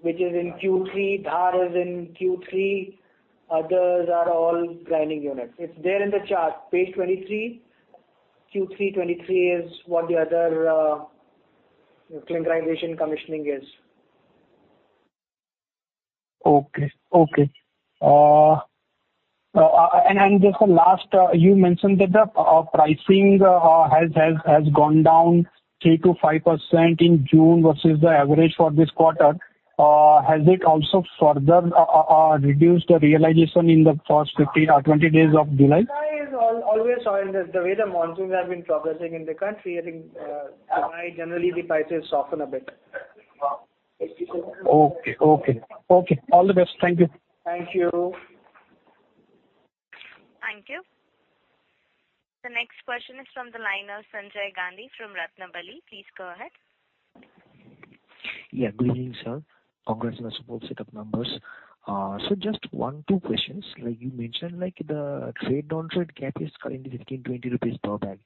Q3, Dhar is in Q3, others are all grinding units. It's there in the chart, page 23. Q3 2023 is what the other clinkerization commissioning is. Just the last you mentioned that the pricing has gone down 3%-5% in June versus the average for this quarter. Has it also further reduced the realization in the first 15 or 20 days of July? Supply is always, so in the way the monsoons have been progressing in the country, I think, supply generally, the prices soften a bit. Okay. All the best. Thank you. Thank you. Thank you. The next question is from the line of Sanjay Gandhi from Ratnabali. Please go ahead. Yeah. Good evening, sir. Congrats on a superb set of numbers. Just one, two questions. Like you mentioned, like the trade down trade gap is currently 15-20 rupees per bag.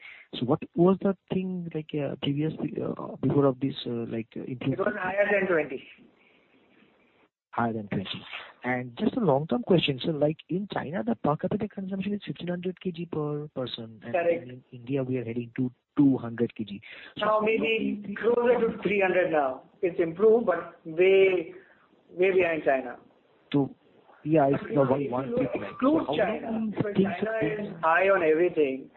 What was the thing like previous before this like increase. It was higher than 20. Higher than 20. Just a long-term question. Like in China, the per capita consumption is 1,600 kg per person. Correct. In India, we are heading to 200 kg. No, maybe closer to 300 now. It's improved, but way behind China. Yeah, it's. If you exclude China, but China is high on everything.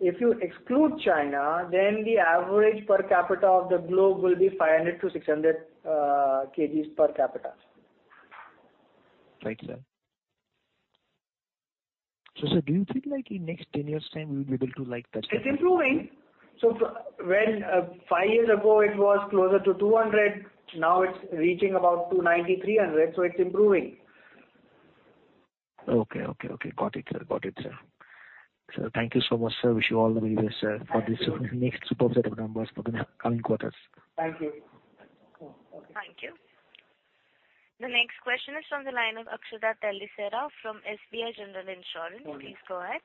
If you exclude China, then the average per capita of the globe will be 500-600 kgs per capita. Right, sir. Sir, do you think like in next 10 years' time we will be able to like touch that? It's improving. When, five years ago, it was closer to 200, now it's reaching about 290-300, so it's improving. Okay. Got it, sir. Thank you so much, sir. Wish you all the very best, sir, for this next superb set of numbers for the coming quarters. Thank you. Thank you. The next question is from the line of Akshata Taliserao from SBI General Insurance. Morning. Please go ahead.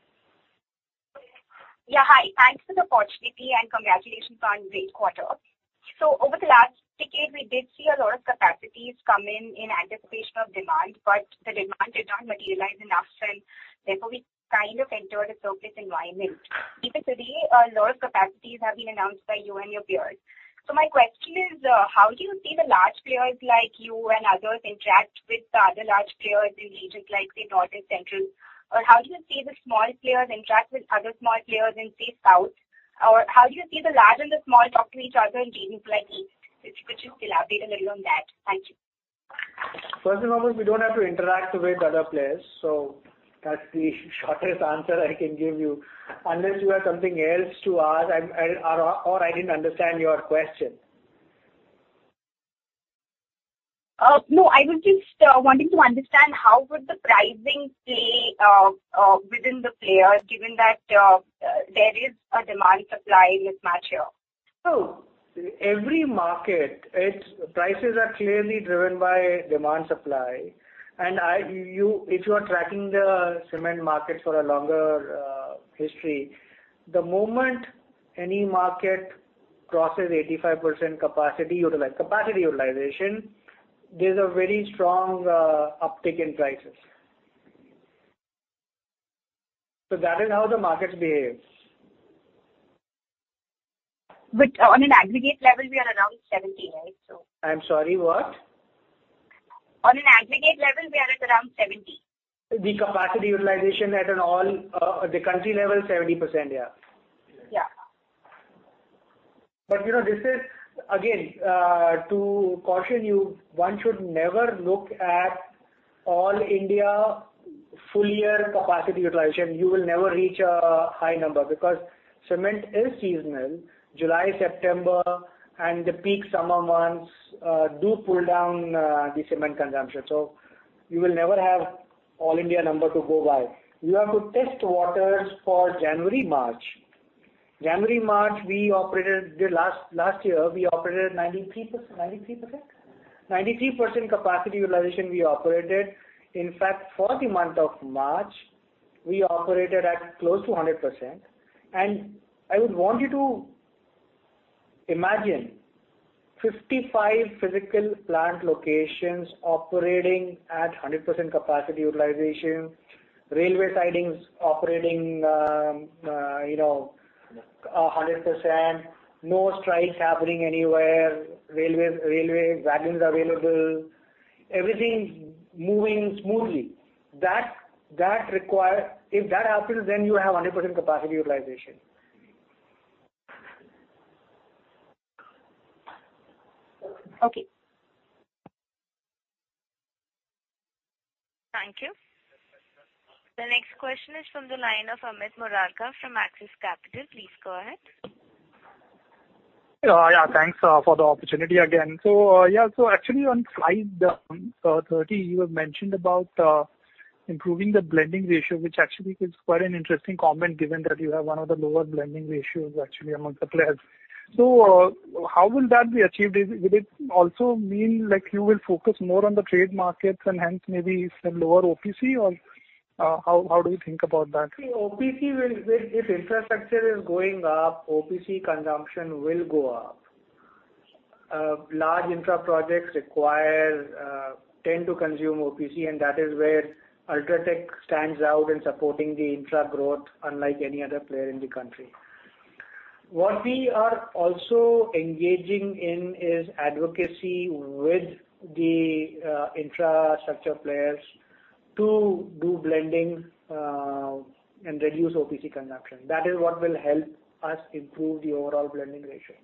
Yeah, hi. Thanks for the opportunity, and congratulations on great quarter. Over the last decade, we did see a lot of capacities come in in anticipation of demand, but the demand did not materialize enough, and therefore we kind of entered a surplus environment. Even today, a lot of capacities have been announced by you and your peers. My question is, how do you see the large players like you and others interact with the other large players in regions like, say, North and Central? Or how do you see the small players interact with other small players in, say, South? Or how do you see the large and the small talk to each other in regions like East? If you could just elaborate a little on that. Thank you. First of all, we don't have to interact with other players, so that's the shortest answer I can give you. Unless you have something else to ask and/or I didn't understand your question. No. I was just wanting to understand how would the pricing play within the players, given that there is a demand-supply mismatch here. Oh, every market, its prices are clearly driven by demand supply. If you are tracking the cement market for a longer history, the moment any market crosses 85% capacity utilization, there's a very strong uptick in prices. That is how the markets behave. On an aggregate level, we are around 70%, right? I'm sorry, what? On an aggregate level, we are at around 70%? The capacity utilization at the country level, 70%. Yeah. Yeah. You know, this is, again, to caution you, one should never look at all India full year capacity utilization. You will never reach a high number because cement is seasonal. July, September, and the peak summer months do pull down the cement consumption. So you will never have all India number to go by. You have to test waters for January, March. January, March, we operated last year 93% capacity utilization. In fact, for the month of March, we operated at close to 100%. I would want you to imagine 55 physical plant locations operating at 100% capacity utilization, railway sidings operating, you know, 100%, no strikes happening anywhere, railway wagons available, everything moving smoothly. If that happens, then you have 100% capacity utilization. Okay. Thank you. The next question is from the line of Amit Murarka from Axis Capital. Please go ahead. Thanks for the opportunity again. Actually on slide 30, you have mentioned about improving the blending ratio, which actually is quite an interesting comment given that you have one of the lower blending ratios actually amongst the players. How will that be achieved? Will it also mean like you will focus more on the trade markets and hence maybe sell lower OPC, or how do you think about that? See, OPC will if infrastructure is going up, OPC consumption will go up. Large infra projects require tend to consume OPC, and that is where UltraTech stands out in supporting the infra growth unlike any other player in the country. What we are also engaging in is advocacy with the infrastructure players to do blending and reduce OPC consumption. That is what will help us improve the overall blending ratio.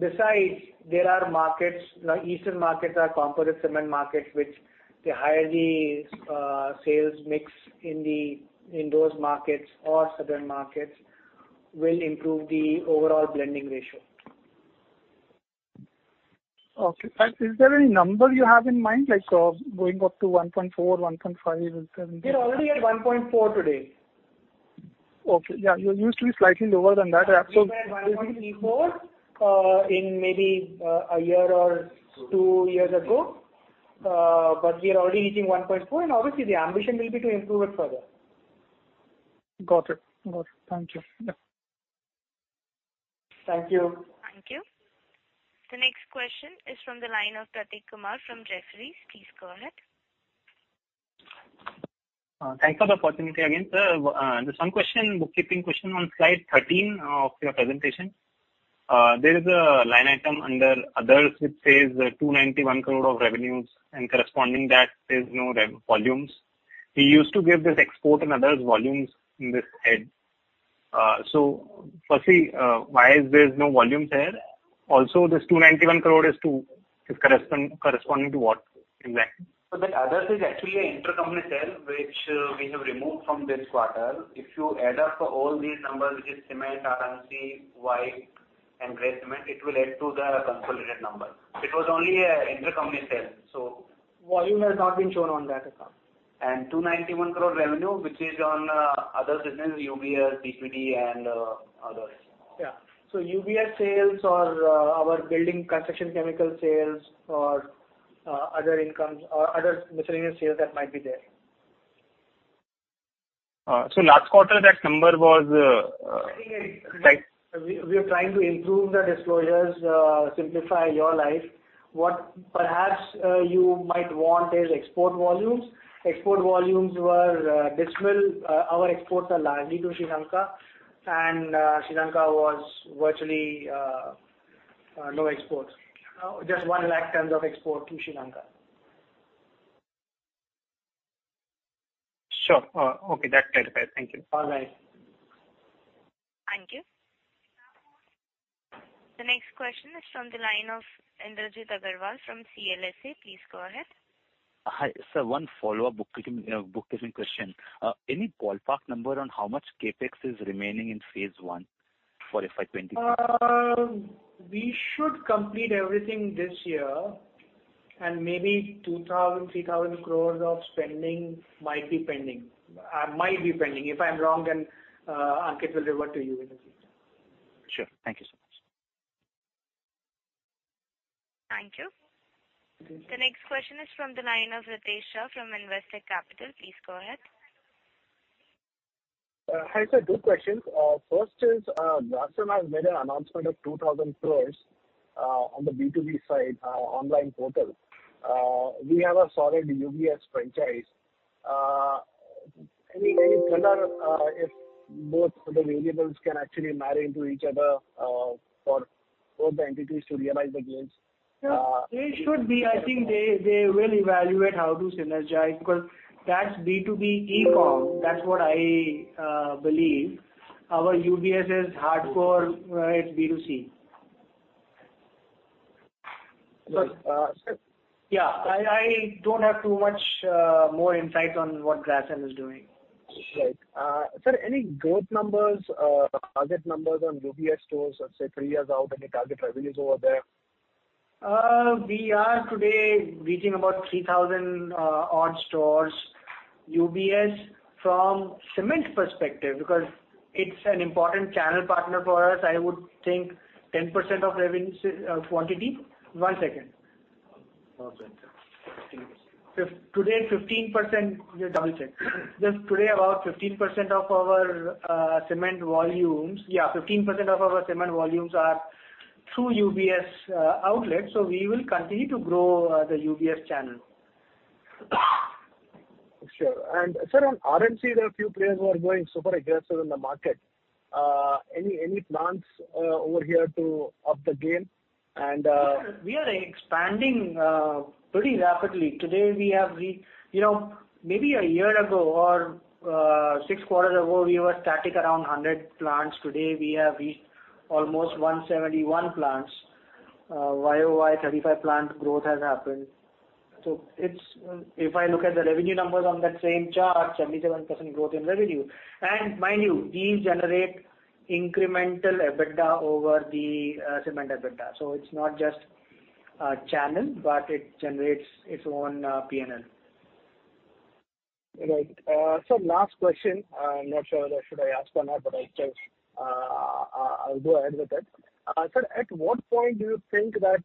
Besides, there are markets, like, eastern markets are composite cement markets, which the higher the sales mix in those markets or southern markets will improve the overall blending ratio. Okay. Is there any number you have in mind, like, going up to 1.4, 1.5? We're already at 1.4 today. Okay. Yeah, you used to be slightly lower than that. We were at 1.34 in maybe a year or two years ago. We are already hitting 1.4, and obviously the ambition will be to improve it further. Got it. Thank you. Yeah. Thank you. Thank you. The next question is from the line of Prateek Kumar from Jefferies. Please go ahead. Thanks for the opportunity again, sir. There's some question, bookkeeping question on slide 13 of your presentation. There is a line item under others, which says 291 crore of revenues, and corresponding that there's no volumes. We used to give this export and others volumes in this head. So firstly, why is there no volumes there? Also, this 291 crore is corresponding to what exactly? The other is actually an intercompany sale, which we have removed from this quarter. If you add up all these numbers, which is cement, RMC, white and gray cement, it will add to the consolidated number. It was only an intercompany sale. Volume has not been shown on that account. 291 crore revenue, which is on other business, UBS, and others. Yeah. UBS sales or our building construction chemical sales or other incomes or other miscellaneous sales that might be there. Last quarter that number was. We are trying to improve the disclosures, simplify your life. What perhaps you might want is export volumes. Export volumes were dismal. Our exports are largely to Sri Lanka, and Sri Lanka was virtually no exports. Just 1 lakh tons of export to Sri Lanka. Sure. Okay. That clarifies. Thank you. All right. Thank you. The next question is from the line of Indrajit Agarwal from CLSA. Please go ahead. Hi. Sir, one follow-up bookkeeping, you know, bookkeeping question. Any ballpark number on how much CapEx is remaining in phase one for FY 2024? We should complete everything this year, and maybe 2,000-3,000 crores of spending might be pending. If I'm wrong, then Ankit will revert to you in the future. Sure. Thank you so much. Thank you. The next question is from the line of Ritesh Shah from Investec Capital. Please go ahead. Hi, sir. Two questions. First is, Grasim has made an announcement of 2,000 crore on the B2B side, online portal. We have a solid UBS franchise. Any color if both the verticals can actually marry into each other for both the entities to realize the gains? No, they should be. I think they will evaluate how to synergize because that's B2B eCom. That's what I believe. Our UltraTech Building Solutions is hardcore, it's B2C. But, uh Yeah, I don't have too much more insight on what Grasim is doing. Right. Sir, any growth numbers, target numbers on UBS stores, let's say three years out, any target revenues over there? We are today reaching about 3,000-odd stores. UltraTech Building Solutions from cement perspective, because it's an important channel partner for us, I would think 10% of revenues, quantity. One second. Okay. Today 15%. Let me double-check. Just today, about 15% of our cement volumes. Yeah, 15% of our cement volumes are through UBS outlets, so we will continue to grow the UBS channel. Sure. Sir, on RMC, there are a few players who are going super aggressive in the market. Any plans over here to up the game? We are expanding pretty rapidly. Today, you know, maybe a year ago or six quarters ago, we were static around 100 plants. Today, we have reached almost 171 plants. YoY, 35 plant growth has happened. It's if I look at the revenue numbers on that same chart, 77% growth in revenue. Mind you, these generate incremental EBITDA over the cement EBITDA. It's not just a channel, but it generates its own P&L. Right. Sir, last question. I'm not sure whether should I ask or not, but I'll just go ahead with it. Sir, at what point do you think that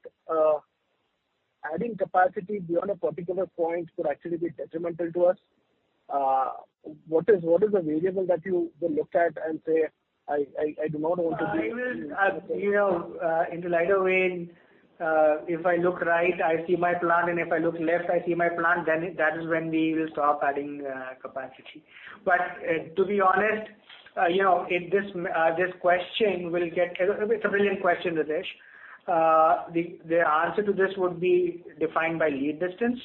adding capacity beyond a particular point could actually be detrimental to us? What is the variable that you will look at and say, "I do not want to be I will, you know, in the lighter vein, if I look right, I see my plant, and if I look left, I see my plant, then that is when we will stop adding capacity. To be honest, you know, it's a brilliant question, Ritesh. The answer to this would be defined by lead distance.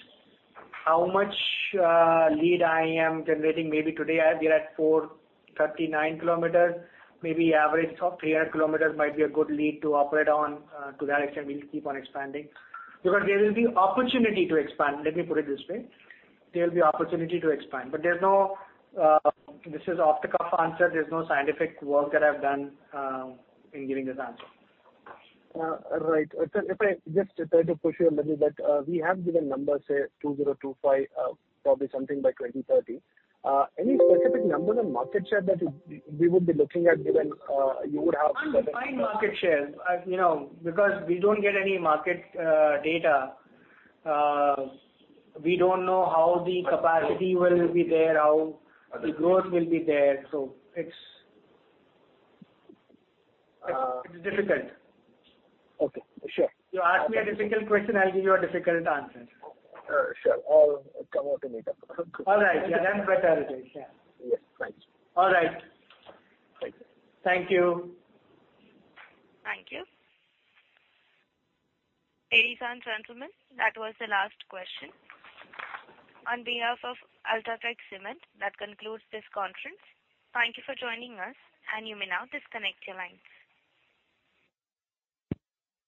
How much lead I am generating. Maybe today I have lead at 439 km. Maybe average of 300 km might be a good lead to operate on, to that extent, we'll keep on expanding. Because there will be opportunity to expand, let me put it this way. There will be opportunity to expand. This is off-the-cuff answer. There's no scientific work that I've done in giving this answer. Right. If I just try to push you a little bit, we have given numbers, say, 2025, probably something by 2030. Any specific numbers on market share that we would be looking at, given you would have Undefined market share. You know, because we don't get any market data. We don't know how the capacity will be there, how the growth will be there. It's difficult. Okay, sure. You asked me a difficult question. I'll give you a difficult answer. Sure. I'll come out and meet up. All right. Yeah, done better. Yes, thanks. All right. Thank you. Thank you. Thank you. Ladies and gentlemen, that was the last question. On behalf of UltraTech Cement, that concludes this conference. Thank you for joining us, and you may now disconnect your lines. Thank you.